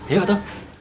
iya pak tom